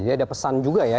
jadi ada pesan juga ya